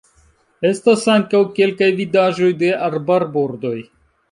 Estas ankaŭ kelkaj vidaĵoj de arbarbordoj.